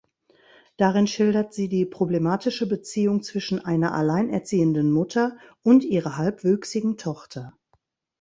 Darin schildert sie die problematische Beziehung zwischen einer alleinerziehenden Mutter und ihrer halbwüchsigen Tochter.